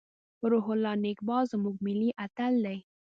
روح الله نیکپا زموږ ملي اتل دی.